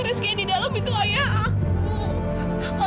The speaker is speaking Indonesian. rizky di dalam itu ayah aku